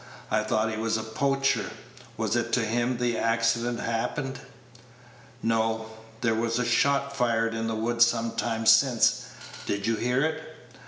I thought he was a poacher. Was it to him the accident happened?" "No. There was a shot fired in the wood some time since. Did you hear it?"